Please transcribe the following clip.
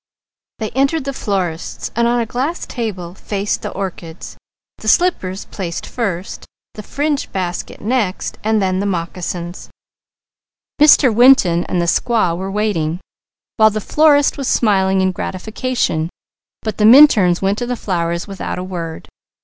They entered the florist's, and on a glass table faced the orchids, the slippers, the fringed basket, and the moccasins. Mr. Winton and the squaw were waiting, while the florist was smiling in gratification, but the Minturns went to the flowers without a word.